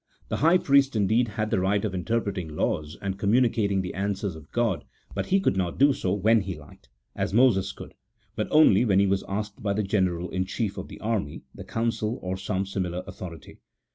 The high priest, indeed, had the right of interpreting laws, and com municating the answers of God, but he could not do so when he liked, as Moses could, but only when he was asked by the general in chief of the army, the council, or some similar authority.